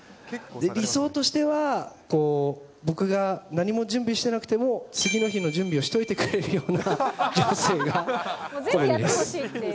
理想としては、僕が何も準備してなくても、次の日の準備をしてくれるような、女性が好みです。